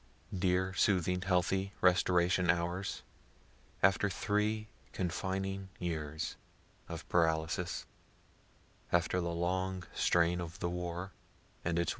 Dear, soothing, healthy, restoration hours after three confining years of paralysis after the long strain of the war, and its wounds and death.